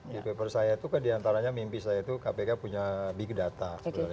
di paper saya itu kan diantaranya mimpi saya itu kpk punya big data